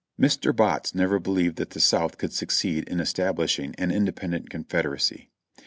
Mr. Botts never believed that the South could succeed in es tablishing an independent Confederacy.